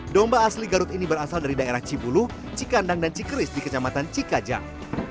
domba asli garut ini berasal dari daerah cibulu cikandang dan cikris di kecamatan cikajang